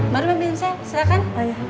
baru mendingan saya silahkan